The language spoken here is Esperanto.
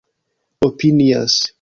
opinias